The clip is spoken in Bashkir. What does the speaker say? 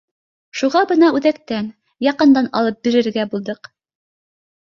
Шуға бына үҙәктән, яҡындан, алып бирергә булдыҡ